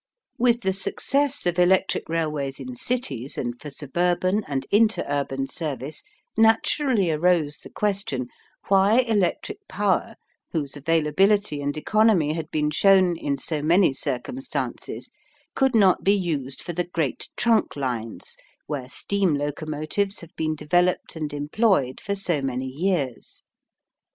With the success of electric railways in cities and for suburban and interurban service naturally arose the question, why electric power whose availability and economy had been shown in so many circumstances could not be used for the great trunk lines where steam locomotives have been developed and employed for so many years?